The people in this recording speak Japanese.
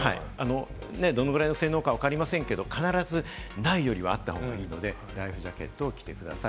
どのぐらいの性能かわかりませんけど、必ず、ないよりはあった方がいいので、ライフジャケットを着てください。